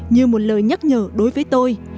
như một lời nhắc nhở đối với tôi